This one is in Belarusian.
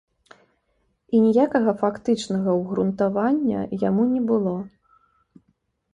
І ніякага фактычнага ўгрунтавання яму не было.